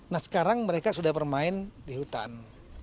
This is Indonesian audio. nah sekarang mereka sudah bermain di hutan